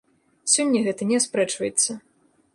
Сёння гэта не аспрэчваецца.